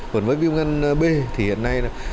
còn với viêm gan b thì hiện nay là